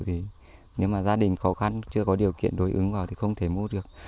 nhưng mà gia đình khó khăn chưa có điều kiện đối ứng vào thì không thể mua được